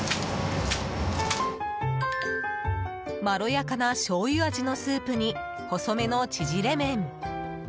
まろやかなしょうゆ味のスープに細めの縮れ麺。